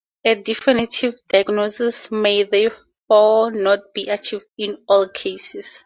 A definitive diagnosis may therefore not be achieved in all cases.